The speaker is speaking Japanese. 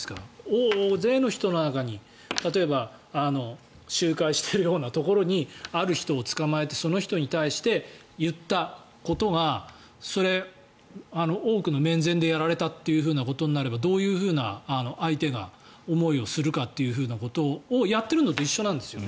大勢の人の中に、例えば集会しているようなところにある人をつかまえてその人に対して言ったことがそれ、多くの面前でやられたということになればどういうふうな、相手が思いをするかっていうことをやっているのと一緒なんですよ。